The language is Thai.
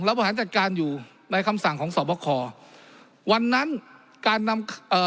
บริหารจัดการอยู่ในคำสั่งของสอบคอวันนั้นการนำเอ่อ